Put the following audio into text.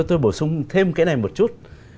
tôi bổ sung thêm cái này một chút